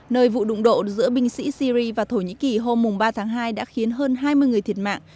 nơi vụ đụng độ giữa binh sĩ syri và thổ nhĩ kỳ hôm ba tháng hai đã khiến hơn hai mươi người thiệt mạng